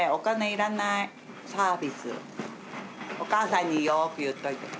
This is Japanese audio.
お母さんによく言っといて。